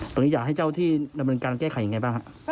ตรงนี้อยากให้เจ้าที่ดำเนินการแก้ไขอย่างไรบ้างครับ